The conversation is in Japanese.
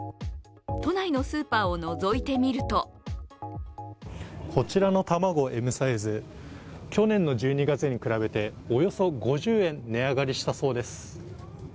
都内のスーパーをのぞいてみるとこちらの卵Ｍサイズ、去年の１２月に比べておよそ５０円、値上がりしたそうです